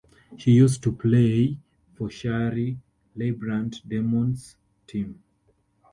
She used to play for Shari Leibbrandt-Demmon's team.